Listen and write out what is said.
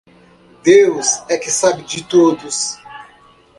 Deus é que sabe de todos.